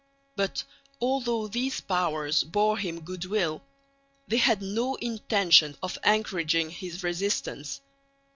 But, although these Powers bore him good will, they had no intention of encouraging his resistance.